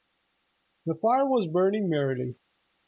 The fire was burning merrily.